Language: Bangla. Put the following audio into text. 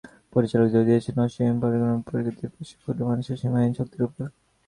পরিচালক জোর দিয়েছেন অসীম পরাক্রমশালী প্রকৃতির পাশে ক্ষুদ্র মানুষের সীমাহীন শক্তির ওপর।